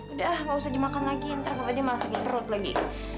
udah nggak usah dimakan lagi nanti kak fadil malah sakit perut lagi